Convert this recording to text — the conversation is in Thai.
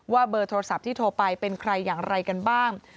เบอร์โทรศัพท์ที่โทรไปเป็นใครอย่างไรกันบ้าง